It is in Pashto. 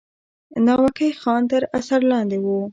ناوګی خان تر اثر لاندې وو.